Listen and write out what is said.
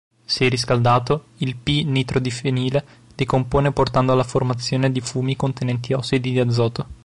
Se riscaldato, il p-nitrodifenile decompone portando alla formazione di fumi contenenti ossidi di azoto.